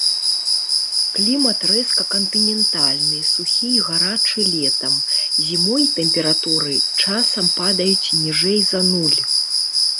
Клімат рэзка кантынентальны, сухі і гарачы летам, зімой тэмпературы часам падаюць ніжэй за нуль.